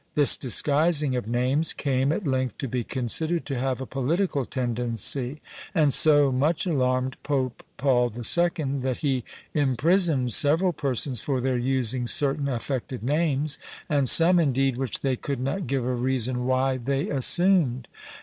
This disguising of names came, at length, to be considered to have a political tendency, and so much alarmed Pope Paul the Second, that he imprisoned several persons for their using certain affected names, and some, indeed, which they could not give a reason why they assumed.